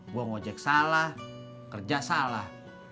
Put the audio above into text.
gue ngojek salah kerja salah